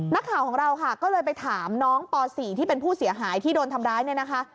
นักข่าวของเราค่ะก็เลยไปถามน้องป๔ที่เป็นผู้เสียหายที่โดนทำร้ายเนี่ยนะคะ